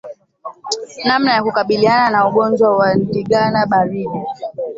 Namna ya kukabiliana na ugonjwa wa ndigana baridi